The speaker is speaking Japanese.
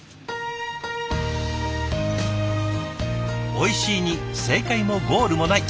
「おいしい」に正解もゴールもない。